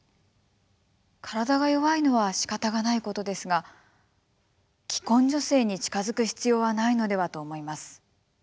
体が弱いのはしかたがないことですが既婚女性に近づく必要はないのではと思います。